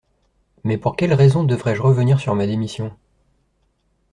Mais pour quelle raison devrais-je revenir sur ma démission?